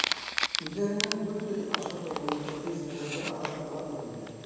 Үҙҙәренән дүрт өй аша торған Тәпей Заһирҙа араҡы барҙыр инде.